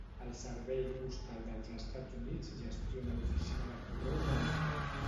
El Servei Postal dels Estats Units gestiona l'oficina de correus de Newton.